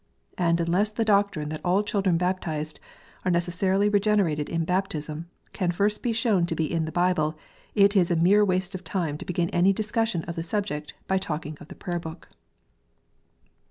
And unless the doctrine that all children baptized are necessarily regenerated in baptism, can first be shown to be in the Bible, it is a mere waste of time to begin any discussion of the subject by talkino of the Prayer book.